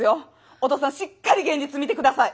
お父さんしっかり現実見て下さい。